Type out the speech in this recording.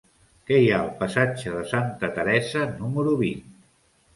Què hi ha al passatge de Santa Teresa número vint?